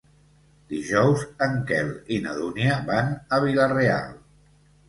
Dijous en Quel i na Dúnia van a Vila-real.